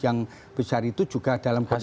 yang besar itu juga dalam posisi